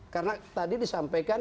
karena tadi disampaikan